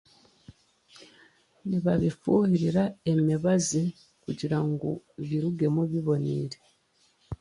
Nibabifuhirira emibazi kugira ngu birugemu biboneire